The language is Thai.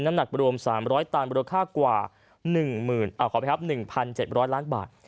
น้ำหนักรวม๓๐๐ตันบริโรคค่ากว่า๑๗๐๐ล้านบาท